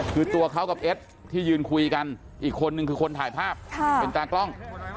คือตัวเขากับเอ็ดที่ยืนคุยกันอีกคนนึงคือคนถ่ายภาพเป็นตากล้อง